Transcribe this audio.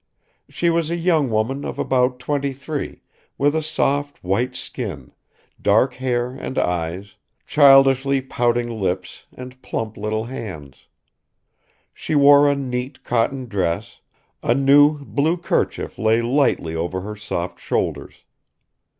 She was a young woman of about twenty three with a soft white skin, dark hair and eyes, childishly pouting lips and plump little hands. She wore a neat cotton dress; a new blue kerchief lay lightly over her soft shoulders.